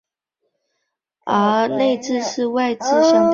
而内字是与外字相对的概念。